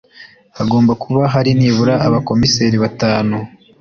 hagomba kuba hari nibura abakomiseri batanu